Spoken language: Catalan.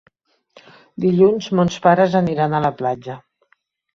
Dilluns mons pares aniran a la platja.